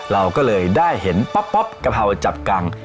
เราก็เลยได้เห็นป๊อปกะเพราจับกัง